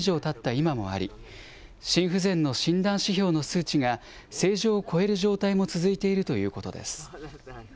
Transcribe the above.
今もあり、心不全の診断指標の数値が正常を超える状態も続いているということです。